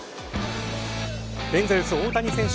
エンゼルス大谷選手